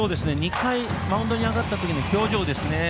マウンドに上がった時の表情ですね。